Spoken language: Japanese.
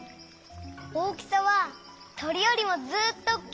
大きさはとりよりもずっとおっきいんだ！